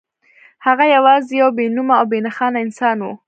هغه یوازې یو بې نومه او بې نښانه انسان و